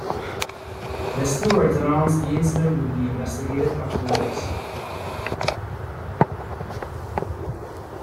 The stewards announced the incident would be investigated after the race.